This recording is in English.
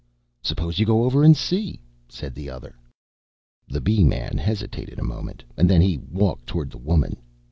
"Suppose you go over and see," said the other. The Bee man hesitated a moment, and then he walked toward the woman.